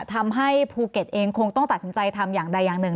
ทำให้ภูเก็ตเองคงต้องตัดสินใจทำอย่างใดอย่างหนึ่ง